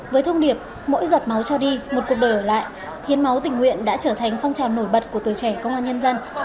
với thông điệp mỗi giọt máu cho đi một cuộc đời ở lại hiến máu tình nguyện đã trở thành phong trào nổi bật của tuổi trẻ công an nhân dân